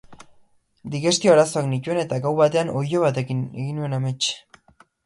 Digestio arazoak nituen eta gau batean oilo batekin egin nuen amets.